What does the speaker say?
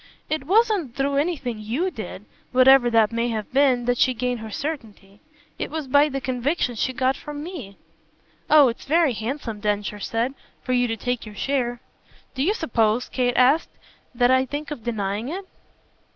"It wasn't through anything YOU did whatever that may have been that she gained her certainty. It was by the conviction she got from me." "Oh it's very handsome," Densher said, "for you to take your share!" "Do you suppose," Kate asked, "that I think of denying it?"